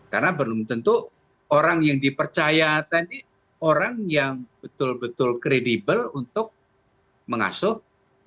karena belum tentu orang yang dipercaya tadi orang yang betul betul kredibel untuk mengasuh mengawasi dan pengasuhan